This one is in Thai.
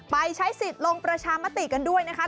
ไปใช้สิทธิ์ลงประชามติกันด้วยนะคะ